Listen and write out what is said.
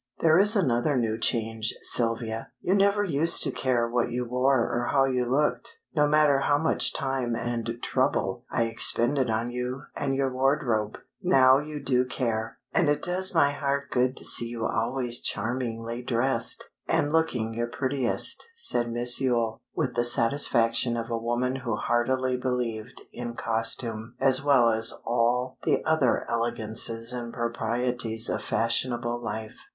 "There is another new change, Sylvia. You never used to care what you wore or how you looked, no matter how much time and trouble I expended on you and your wardrobe. Now you do care, and it does my heart good to see you always charmingly dressed, and looking your prettiest," said Miss Yule, with the satisfaction of a woman who heartily believed in costume as well as all the other elegances and proprieties of fashionable life.